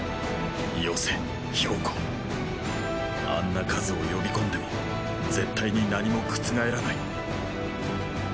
よせ公あんな数を呼び込んでも絶対に何も覆らない！